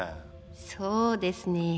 そうですね。